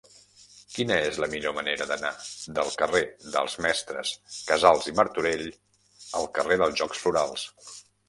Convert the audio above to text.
Quina és la millor manera d'anar del carrer dels Mestres Casals i Martorell al carrer dels Jocs Florals?